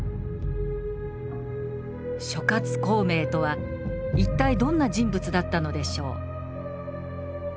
諸孔明とは一体どんな人物だったのでしょう？